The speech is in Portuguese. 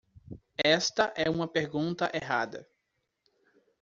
Esta é uma pergunta errada.